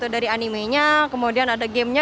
dari animenya kemudian ada gamenya